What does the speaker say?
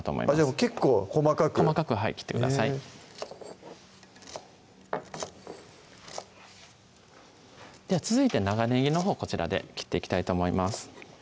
じゃあ結構細かく細かくはい切ってください続いて長ねぎのほうこちらで切っていきたいと思います